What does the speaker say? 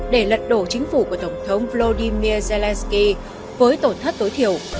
để lật đổ chính phủ của tổng thống vladimir zelensky với tổn thất tối thiểu